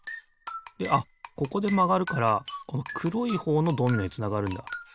であっここでまがるからこのくろいほうのドミノへつながるんだ。